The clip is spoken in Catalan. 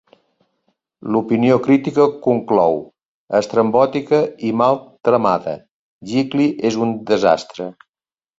L'opinió crítica conclou: "Estrambòtica i mal tramada, 'Gigli' és un desastre".